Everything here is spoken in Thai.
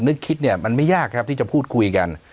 นึกคิดเนี่ยมันไม่ยากครับที่จะพูดคุยกัน